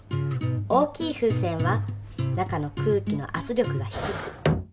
大きい風船は中の空気のあつ力が低く。